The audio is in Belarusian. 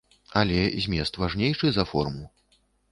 Але змест важнейшы за форму.